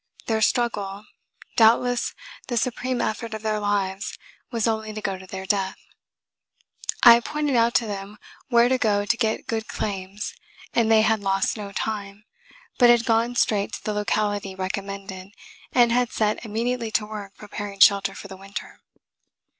Their struggle, doubtless the supreme effort of their lives, was only to go to their death. I had pointed out to them where to go to get good claims, and they had lost no time, but had gone straight to the locality recommended and had set immediately to work preparing shelter for the winter.